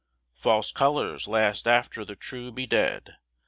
False colours last after the true be dead.